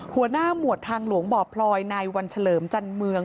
หัวหน้าหมวดทางหลวงบ่อพลอยในวันเฉลิมจันเมือง